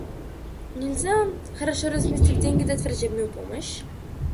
Нельзя, хорошо разместив деньги, дать врачебную помощь?